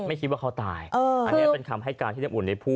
ไม่คิดว่าเขาตายอันนี้เป็นคำให้การที่น้ำอุ่นได้พูด